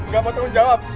gak mau tanggung jawab